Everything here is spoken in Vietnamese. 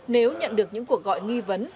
nếu nhận được những cuộc gọi nghi vấn